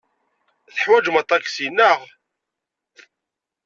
Teḥwajem aṭaksi, naɣ?